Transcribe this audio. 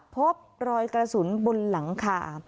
พบรอยกระสุนบนหลังคา